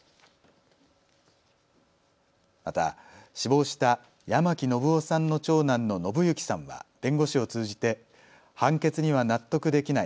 また、死亡した八巻信雄さんの長男の信行さんは弁護士を通じて判決には納得できない。